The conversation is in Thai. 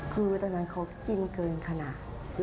คือตอนนั้นเขากินเกินขนาด